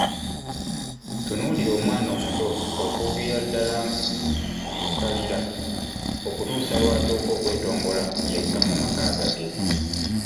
Tunuulira omwana omuto, okuviira ddala ku kalira, okutuusa lw'atuuka okwetongola yekka mu maka agage.